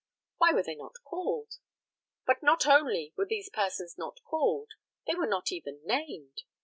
Why were they not called? But not only were these persons not called, they were not even named.